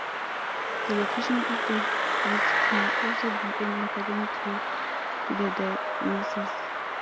The location of the wheeze can also be an important clue to the diagnosis.